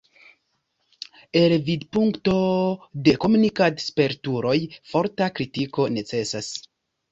El vidpunkto de komunikad-spertuloj forta kritiko necesas.